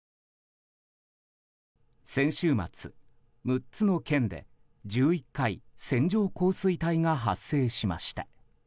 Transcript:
先週末、６つの県で１１回線状降水帯が発生しました。